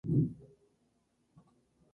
La ciudad capital es Shah Alam.